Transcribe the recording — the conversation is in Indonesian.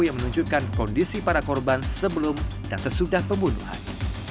yang menunjukkan kondisi para korban sebelum dan sesudah pembunuhan